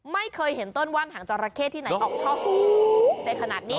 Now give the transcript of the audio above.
ไม่เคยเห็นต้นว่านหางจราเข้ที่ไหนออกช่อสูงได้ขนาดนี้